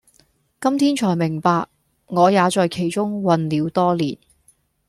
今天纔明白，我也在其中混了多年；